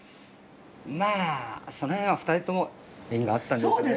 まあその辺は２人とも縁があったんじゃないかな。